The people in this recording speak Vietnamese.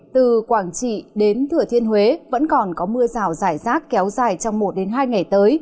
từ quảng trị đến thừa thiên huế vẫn còn có mưa rào rải rác kéo dài trong một hai ngày tới